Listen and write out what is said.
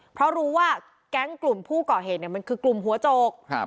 เพราะรู้ว่าแก๊งกลุ่มผู้ก่อเหตุเนี่ยมันคือกลุ่มหัวโจก